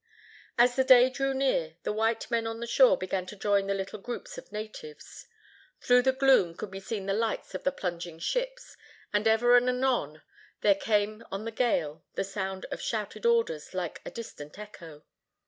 As the day drew near, the white men on the shore began to join the little groups of natives. Through the gloom could be seen the lights of the plunging ships, and ever and anon there came on the gale the sound of shouted orders, like a distant echo.